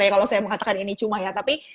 kalau saya mengatakan ini cuma ya tapi